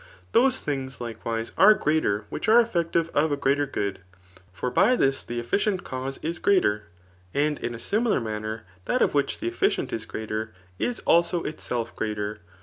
Those things, likewise, are greater which are eflFective of a greater good; for by this the efficient cause is greater. And In a similar manner that of which the efficient is greater, is also itself greater.